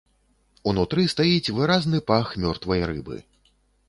Унутры стаіць выразны пах мёртвай рыбы.